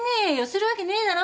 するわけねえだろ。